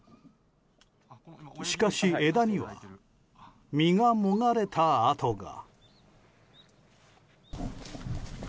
しかし枝には実がもがれた跡が。